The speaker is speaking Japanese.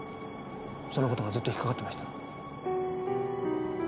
その事がずっと引っかかってました。